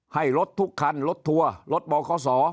ให้รถทุกคันรถทัวร์รถบข